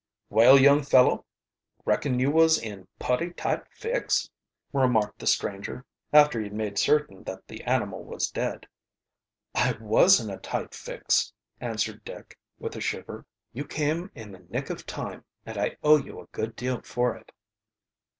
"Well, young fellow, reckon you was in a putty tight fix?" remarked the stranger, after he had made certain that the animal was dead. "I was in a tight fix," answered Dick, with a shiver. "You came in the nick of time, and I owe you a good deal for it."